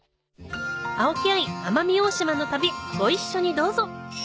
青木愛奄美大島の旅ご一緒にどうぞ！